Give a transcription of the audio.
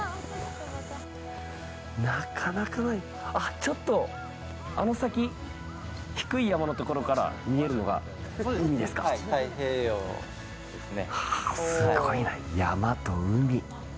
ちょっとあの先低い山のところから見えるのが太平洋ですね。